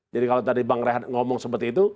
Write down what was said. jadi kalau tadi bang rehnardt ngomong seperti itu